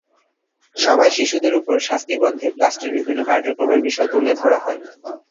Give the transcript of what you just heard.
সভায় শিশুদের ওপর শাস্তি বন্ধে ব্লাস্টের বিভিন্ন কার্যক্রমের বিষয়ও তুলে ধরা হয়।